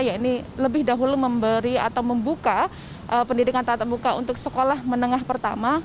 ya ini lebih dahulu memberi atau membuka pendidikan tatap muka untuk sekolah menengah pertama